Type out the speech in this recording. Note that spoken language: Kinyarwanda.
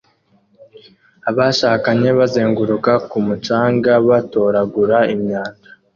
Abashakanye bazenguruka ku mucanga batoragura imyanda